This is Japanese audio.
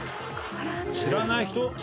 知らない人？